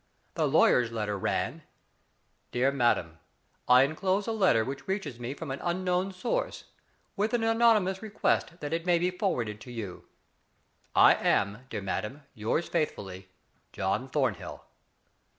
The lawyer's letter ran : Dear Madam : I inclose a letter which reaches me from an unknown source, with an anonymous request that it may be forwarded to you. I am, dear madam, yours faithfully, John Thornhill.